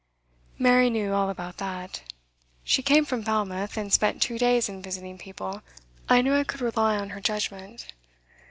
'Mary knew all about that. She came from Falmouth, and spent two days in visiting people. I knew I could rely on her judgment.